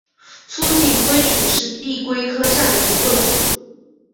粗颈龟属是地龟科下的一个属。